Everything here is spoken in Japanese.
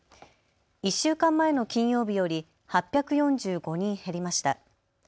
１週間前の金曜日より８４５人減りました。